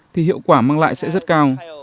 thì hiệu quả mang lại sẽ rất cao